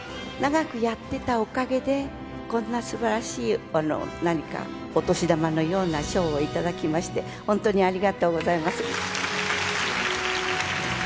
長くやってたおかげで、こんなすばらしい何か、お年玉のような賞を頂きまして、本当にありがとうございます。